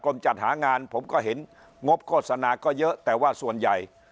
จัดหางานผมก็เห็นงบโฆษณาก็เยอะแต่ว่าส่วนใหญ่